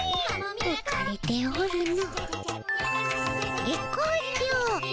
うかれておるの。